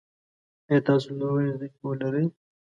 ایا تاسو لوړې زده کړې لرئ؟